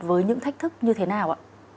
với những thách thức như thế nào ạ